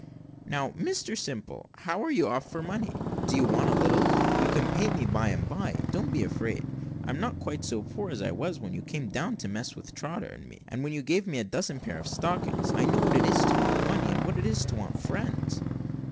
"Now, Mr Simple, how are you off for money? Do you want a little? You can pay me by and bye. Don't be afraid: I am not quite so poor as I was when you came down to mess with Trotter and me, and when you gave me a dozen pairs of stockings. I know what it is to want money, and what it is to want friends."